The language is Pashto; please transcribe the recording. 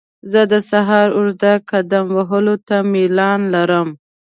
زه د سهار اوږده قدم وهلو ته میلان لرم.